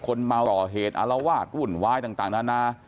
คนมาก่อเหตุอารวาสวุ่นวายต่างนานา